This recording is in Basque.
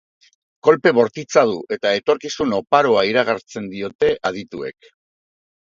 Kolpe bortitza du, eta etorkizun oparoa iragartzen diote adituek.